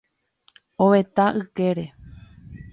ovetã ykére